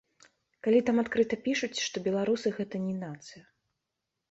Калі там адкрыта пішуць, што беларусы гэта не нацыя.